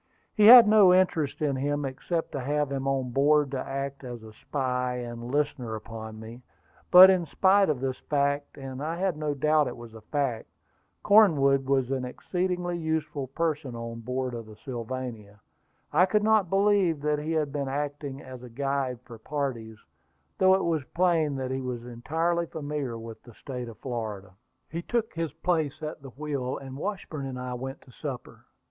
He had no interest in him, except to have him on board to act as a spy and listener upon me. But in spite of this fact and I had no doubt it was a fact Cornwood was an exceedingly useful person on board of the Sylvania. I could not believe that he had been acting as a guide for parties, though it was plain that he was entirely familiar with the State of Florida. The pilot took his place at the wheel, and Washburn and I went to supper.